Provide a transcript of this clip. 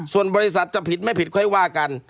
ส่วนบริษัทจะผิดไม่ผิดค่อยว่ากัน